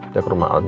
kita ke rumah al nih